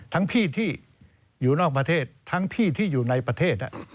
พี่ที่อยู่นอกประเทศทั้งพี่ที่อยู่ในประเทศ